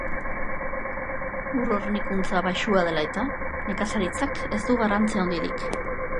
Ur hornikuntza baxua dela eta, nekazaritzak ez du garrantzi handirik.